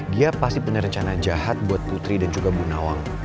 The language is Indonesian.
dia pasti punya rencana jahat buat putri dan juga bu nawang